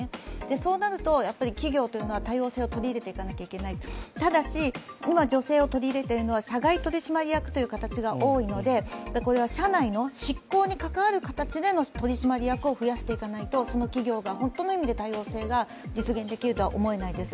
そうなると、企業というのは多様性を取り入れていかなきゃいけないただし、今、女性を取り入れているのは社外取締役ということが多いので社内の執行に関わる形での取り締まりを増やしていかないとその企業が本当の意味で多様性が実現できるとは思えないです。